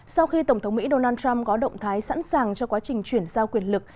sau khi tổng thống mỹ donald trump có động thái sẵn sàng cho quá trình chuyển giao quyền lực